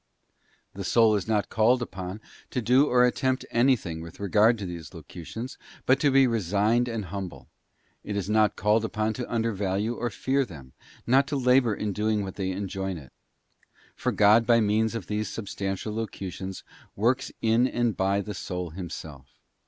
| The soul is not called upon to do or attempt anything with regard to these locutions, but to be resigned and humble. It is not called upon to undervalue or fear them, nor to labour in doing what they enjoin it. For God by means of these substantial locutions works in and by the soul Himself.